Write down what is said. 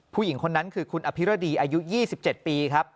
ผู้หญิงคนนั้นคือคุณอภิรดีอายุ๒๗ปีครับ